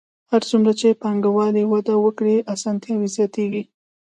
هر څومره چې پانګوالي وده وکړي اسانتیاوې زیاتېږي